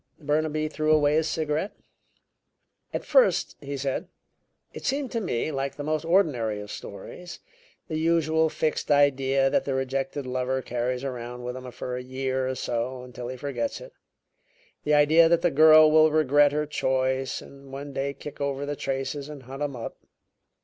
Burnaby threw away his cigarette. "At first," he said, "it seemed to me like the most ordinary of stories the usual fixed idea that the rejected lover carries around with him for a year or so until he forgets it; the idea that the girl will regret her choice and one day kick over the traces and hunt him up.